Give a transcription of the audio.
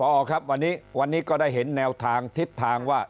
เอาล่ะครับพอครับวันนี้ก็ได้เห็นแนวทางทิศทางว่า